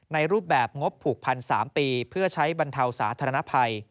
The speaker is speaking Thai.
รูปแบบงบผูกพัน๓ปีเพื่อใช้บรรเทาสาธารณภัย